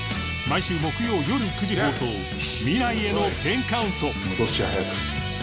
毎週木曜よる９時放送『未来への１０カウント』戻しは速く。